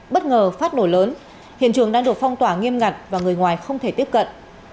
bất ngờ phát nổ lớn hiện trường đang được phong tỏa nghiêm ngặt và người ngoài không thể tiếp cận